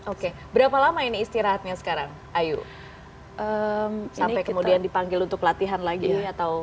oke berapa lama ini istirahatnya sekarang ayu sampai kemudian dipanggil untuk latihan lagi atau